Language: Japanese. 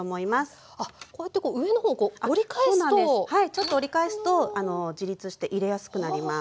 ちょっと折り返すと自立して入れやすくなります。